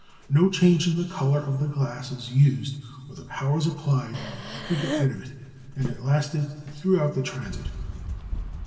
No change in the colour of the glasses used, or the powers applied, could get rid of it, and it lasted throughout the transit.